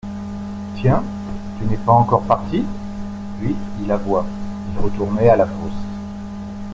Tiens ! tu n'es pas encore parti ! Puis, il avoua, il retournait à la fosse.